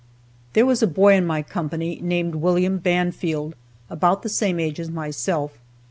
There was a boy in my company named William Banfield, about the same age as myself.